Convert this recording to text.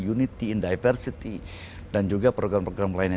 unity and diversity dan juga program program lainnya